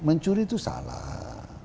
mencuri itu salah